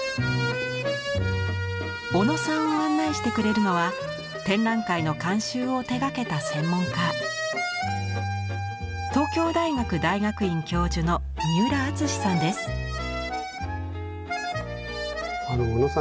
小野さんを案内してくれるのは展覧会の監修を手がけた専門家小野さん